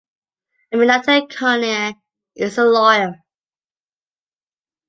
Aminata Koné is a lawyer.